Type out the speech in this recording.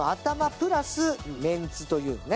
プラスメンツというのね